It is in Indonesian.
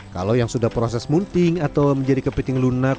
kalau yang sudah proses munting atau menjadi kepiting lunak